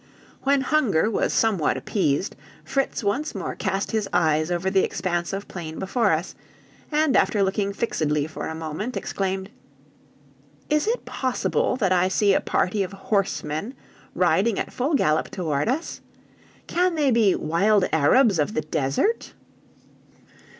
When hunger was somewhat appeased, Fritz once more cast his eyes over the expanse of plain before us, and after looking fixedly for a moment, exclaimed: "Is it possible that I see a party of horsemen riding at full gallop toward us! Can they be wild Arabs of the desert?"